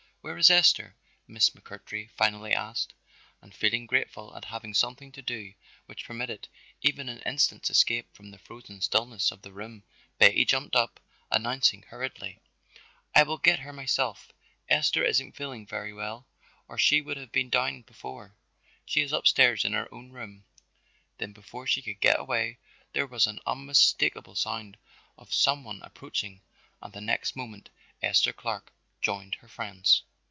"Where is Esther?" Miss McMurtry finally asked, and feeling grateful at having something to do which permitted even an instant's escape from the frozen stillness of the room, Betty jumped up, announcing hurriedly: "I will get her myself; Esther isn't feeling very well or she would have been down before. She is upstairs in her own room." Then before she could get away there was an unmistakable sound of some one approaching and the next moment Esther Clark joined her friends.